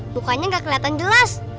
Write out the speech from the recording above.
bukannya gak keliatan jelas